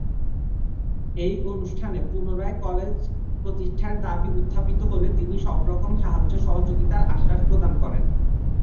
এই অনুষ্ঠানে পুনরায় কলেজ প্রতিষ্ঠার দাবি উত্থাপিত হলে তিনি সবরকম সাহায্য সহযোগিতার আশ্বাস প্রদান করেন।